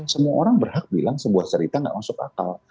semua orang berhak bilang sebuah cerita gak masuk akal